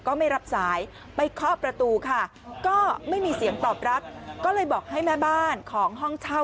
ก็ไม่รับสายไปเคาะประตูค่ะก็ไม่มีเสียงตอบรับก็เลยบอกให้แม่บ้านของห้องเช่า